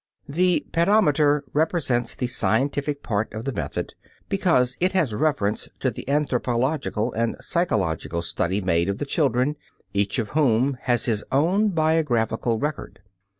The pedometer represents the scientific part of the method, because it has reference to the anthropological and psychological study made of the children, each of whom has his own biographical record.